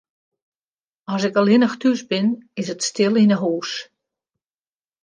As ik allinnich thús bin, is it stil yn 'e hús.